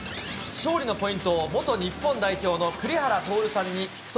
勝利のポイントを元日本代表の栗原徹さんに聞くと。